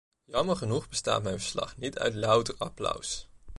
Jammer genoeg bestaat mijn verslag niet uit louter applaus.